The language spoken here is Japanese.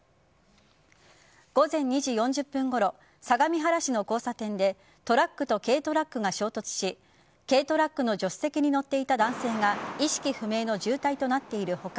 午前２時４０分ごろ相模原市の交差点でトラックと軽トラックが衝突し軽トラックの助手席に乗っていた男性が意識不明の重体となっている他